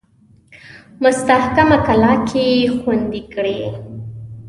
مستحکمه کلا کې خوندې کړي.